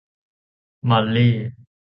มอลลี่